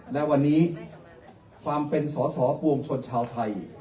และวันนี้ความเป็นสอสอปวงชนชาวไทย